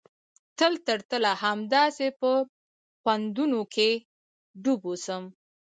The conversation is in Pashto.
تل تر تله همداسې په خوندونو کښې ډوب واوسم.